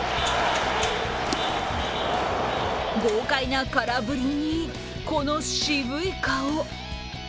豪快な空振りにこの渋い顔。